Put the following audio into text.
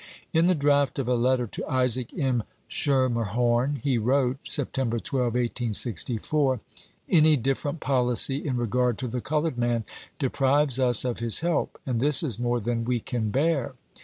In the draft of a letter to Isaac M. Schermerhorn he wrote, September 12, 1864: "Any different policy in regard to the colored man de prives us of his help, and this is more than we can bear.